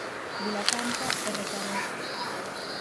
Vilacampa e Recaré.